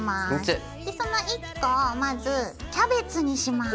その１個をまずキャベツにします。